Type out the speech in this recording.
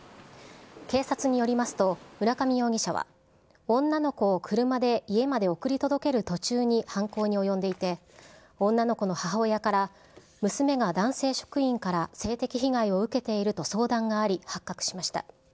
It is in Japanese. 警察によりますと、村上容疑者は、女の子を車で家まで送り届ける途中に犯行に及んでいて、女の子の母親から娘が男性職員から性的被害を受けていると相談があり発覚しました。